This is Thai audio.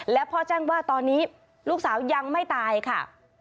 และพ่อแจ้งว่าตอนนี้ลูกสาวยังไม่ตายค่ะ